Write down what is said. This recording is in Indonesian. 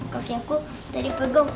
kekirafah udah dipegang